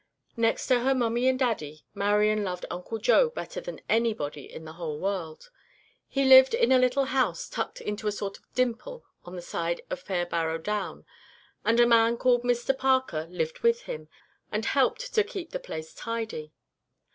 Next to her mummy and daddy, Marian loved Uncle Joe better than anybody in the whole world. He lived in a little house tucked into a sort of dimple on the side of Fairbarrow Down, and a man called Mr Parker lived with him and helped to keep the place tidy.